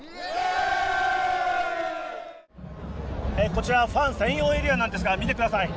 こちらファン専用エリアなんですが見てください。